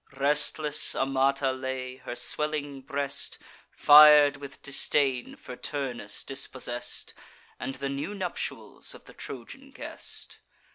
Restless Amata lay, her swelling breast Fir'd with disdain for Turnus dispossess'd, And the new nuptials of the Trojan guest.